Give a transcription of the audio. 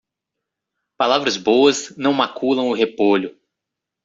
Palavras boas não maculam o repolho.